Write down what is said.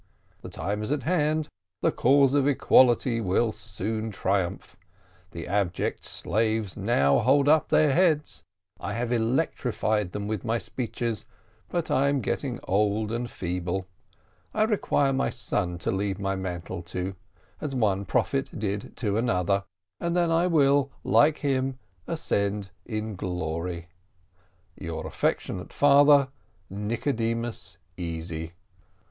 The time is at hand, the cause of equality will soon triumph; the abject slaves now hold up their heads; I have electrified them with my speeches, but I am getting old and feeble; I require my son to leave my mantle to, as one prophet did to another, and then I will, like him, ascend in glory. Your affectionate Father: "NICODEMUS EASY."